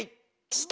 下？